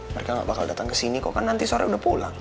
mereka gak bakal dateng kesini kok kan nanti sore udah pulang